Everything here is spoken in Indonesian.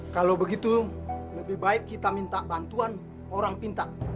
kalau begitu lebih baik kita minta bantuan orang pintar